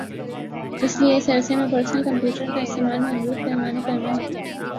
اس لئے اس عرصے میں پرسنل کمپیوٹر کا استعمال محدود پیمانے پر رہا